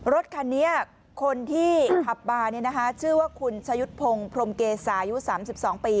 รถคันนี้คนที่ขับมาเนี่ยนะฮะชื่อว่าคุณชะยุดพงพรมเกสายุ๓๒ปี